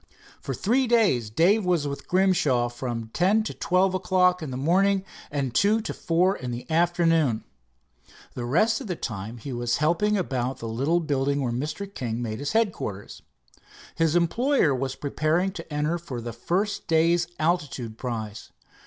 For three days Dave was with Grimshaw from ten to twelve o'clock in the morning and two to four in the afternoon. The rest of the time he was helping about the little building, where Mr. King made his headquarters. His employer was preparing to enter for the first day's altitude prize.